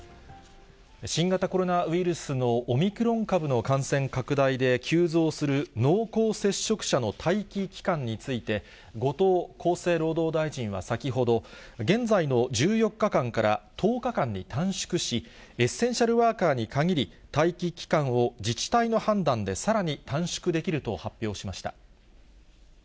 新型コロナウイルスのオミクロン株の感染拡大で急増する濃厚接触者の待機期間について、後藤厚生労働大臣は先ほど、現在の１４日間から１０日間に短縮し、エッセンシャルワーカーに限り、待機期間を自治体の判断でさらに短縮できると発表しました。